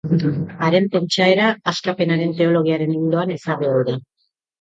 Haren pentsaera Askapenaren Teologiaren ildoan ezarri ohi da.